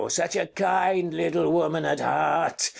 Such a kind little woman at heart!